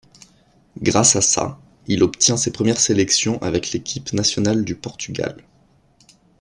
Grâce à ça, il obtient ses premières sélections avec l'équipe nationale du Portugal.